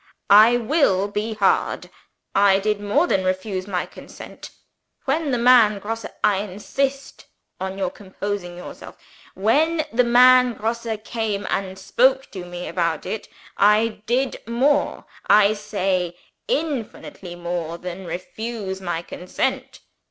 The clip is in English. I will be heard! I did more than refuse my consent. When the man Grosse I insist on your composing yourself when the man Grosse came and spoke to me about it, I did more, I say, infinitely more, than refuse my consent.